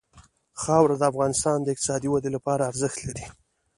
خاوره د افغانستان د اقتصادي ودې لپاره ارزښت لري.